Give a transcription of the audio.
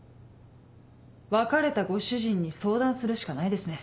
別れたご主人に相談するしかないですね。